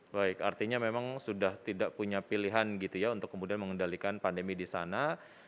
baik artinya memang sudah tidak punya pilihan gitu ya untuk kemudian mengendalikan pandemi di sana